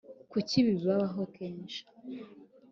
kuki ibi bibaho kenshi?